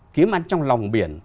kiếm ăn trong lòng biển